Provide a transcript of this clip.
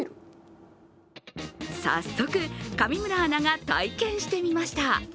早速、上村アナが体験してみました。